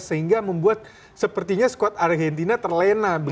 sehingga membuat sepertinya squad argentina terlena